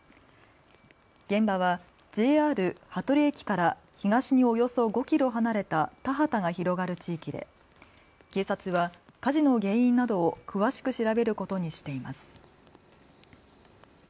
現場はＪＲ羽鳥駅から東におよそ５キロ離れた田畑が広がる地域で警察は火事の原因などを詳しく調べることにしています。